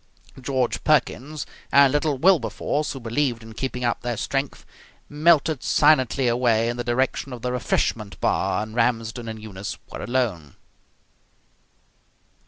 George Perkins and little Wilberforce, who believed in keeping up their strength, melted silently away in the direction of the refreshment bar, and Ramsden and Eunice were alone.